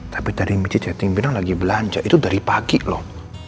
tapi dari masjid chatting bilang lagi belanja itu dari pagi loh